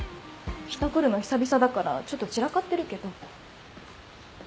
人来るの久々だからちょっと散らかってるけど。